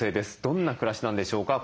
どんな暮らしなんでしょうか。